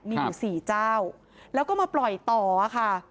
มีอยู่๔เจ้าแล้วก็มาปล่อยต่อค่ะ